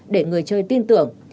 để người chơi tin tưởng